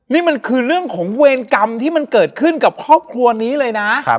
นี่มันคือเรื่องของเวรกรรมที่มันเกิดขึ้นกับครอบครัวนี้เลยนะ